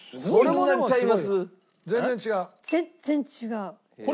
全然違う。